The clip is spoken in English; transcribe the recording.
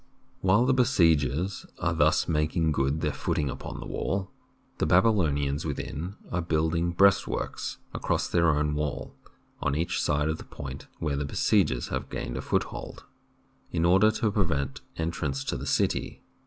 While the besiegers are thus making good their footing upon the wall, the Babylonians within are building breastworks across their own wall on each side of the point where the besiegers have gained a foothold, in order to prevent entrance to the city.